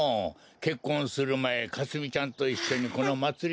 けっこんするまえかすみちゃんといっしょにこのまつりにきて。